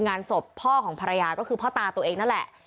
งานศพพ่อของภรรยาก็คือพ่อตาตัวเองนั่นแหละ